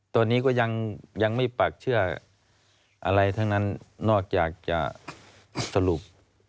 ตอนนี้ก็ยังไม่ปากเชื่ออะไรทั้งนั้นนอกจากจะสรุป